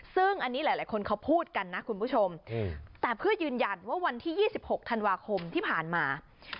ซึ่งอันนี้หลายคนเขาพูดกันนะคุณผู้ชมแต่เพื่อยืนยันว่าวันที่๒๖ธันวาคมที่ผ่านมา